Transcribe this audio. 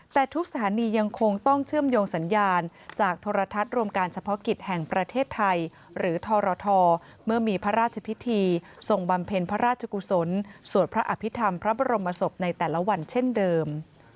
แต่ทุกสถานียังคงต้องเชื่อมโยงสัญญาณจากโทรทัศน์รวมการเฉพาะกิจแห่งประเทศไทยหรือทรทเมื่อมีพระราชพิธีทรงบำเพ็ญพระราชกุศลสวดพระอภิษฐรรมพระบรมศพในแต่ละวันเช่นเดิม